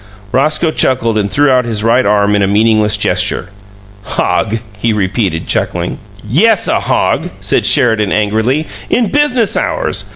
Roscoe chuckled and threw out his right arm in a meaningless gesture. "Hog!" he repeated, chuckling. "Yes, a hog!" said Sheridan, angrily. "In business hours!